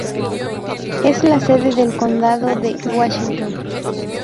Es la sede del Condado de Washington.